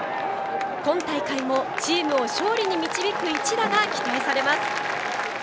今大会もチームを勝利に導く一打が期待されます。